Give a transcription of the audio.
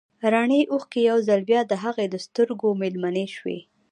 رڼې اوښکې يو ځل بيا د هغې د سترګو مېلمنې شوې.